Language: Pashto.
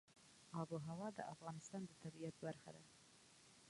آب وهوا د افغانستان د طبیعت برخه ده.